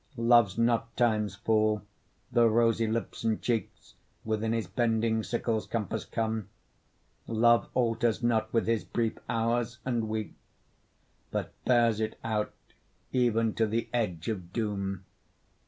Love's not Time's fool, though rosy lips and cheeks Within his bending sickle's compass come; Love alters not with his brief hours and weeks, But bears it out even to the edge of doom.